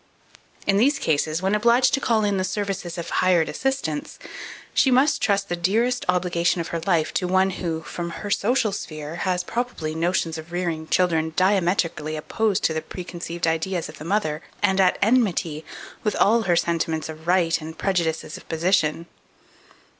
2446. In these cases, when obliged to call in the services of hired assistance, she must trust the dearest obligation of her life to one who, from her social sphere, has probably notions of rearing children diametrically opposed to the preconceived ideas of the mother, and at enmity with all her sentiments of right and prejudices of position.